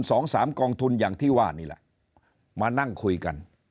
สองสามกองทุนอย่างที่ว่านี่แหละมานั่งคุยกัน